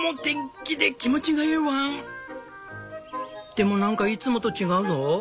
でもなんかいつもと違うぞ。